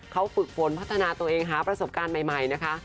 เขาฝึกฝนพัฒนาตัวเองหาประสบการณ์ใหม่นะคะ